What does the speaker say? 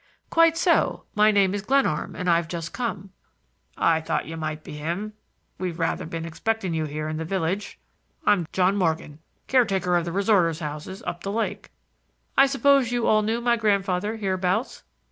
"Quite so. My name is Glenarm, and I've just come." "I thought you might be him. We've rather been expecting you here in the village. I'm John Morgan, caretaker of the resorters' houses up the lake." "I suppose you all knew my grandfather hereabouts."